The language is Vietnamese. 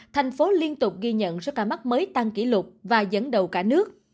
thành phố liên tục ghi nhận số ca mắc mới tăng kỷ lục và dẫn đầu cả nước